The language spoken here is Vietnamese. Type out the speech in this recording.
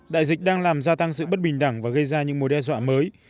đại dịch đang làm gia tăng sự bất bình đẳng và gây ra những mối đe dọa mới